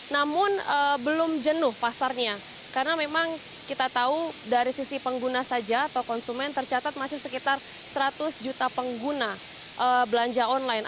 namun belum jenuh pasarnya karena memang kita tahu dari sisi pengguna saja atau konsumen tercatat masih sekitar seratus juta pengguna belanja online